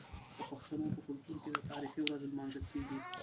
د پښتنو په کلتور کې د تاریخي ورځو لمانځل کیږي.